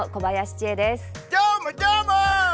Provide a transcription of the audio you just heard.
どーも、どーも！